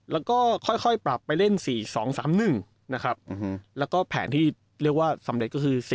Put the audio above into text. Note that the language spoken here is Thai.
แล้วก็ค่อยปรับไปเล่น๔๒๓๑นะครับแล้วก็แผนที่เรียกว่าสำเร็จก็คือ